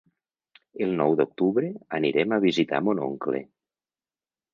El nou d'octubre anirem a visitar mon oncle.